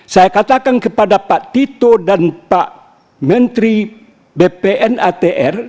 saya katakan kepada pak tito dan pak menteri bpn atr